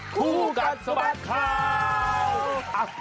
คู่กัดสะบัดข่าว